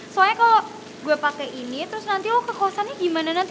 soalnya kalo gue pake ini terus nanti lo ke kosannya gimana nanti